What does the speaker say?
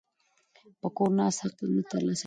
په کور ناست حق نه ترلاسه کیږي.